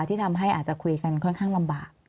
ที่ทำให้อาจจะคุยกันค่อนข้างลำบาก